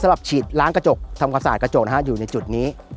สำหรับฉีดร้านกระจกทำความสะอาดกระจกอยู่ในจุดนี้